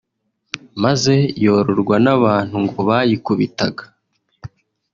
maze yororwa n’abantu ngo bayikubitaga